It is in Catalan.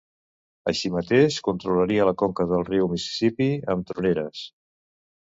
Així mateix controlaria la conca del riu Mississipí amb troneres.